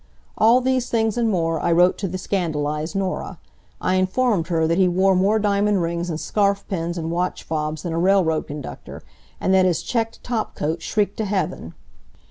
All these things, and more, I wrote to the scandalized Norah. I informed her that he wore more diamond rings and scarf pins and watch fobs than a railroad conductor, and that his checked top coat shrieked to Heaven.